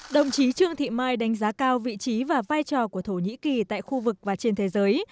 đồng chí trương thị mai đánh giá cao vị trí và vai trò của thổ nhĩ kỳ tại khu vực và trên thế giới